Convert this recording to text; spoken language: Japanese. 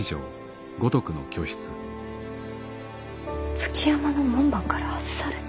築山の門番から外された？